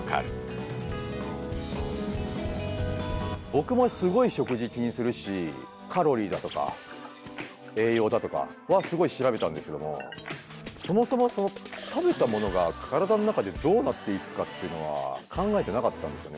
僕もすごい食事気にするしカロリーだとか栄養だとかはすごい調べたんですけどもそもそも食べたものが体の中でどうなっていくかっていうのは考えてなかったんですよね。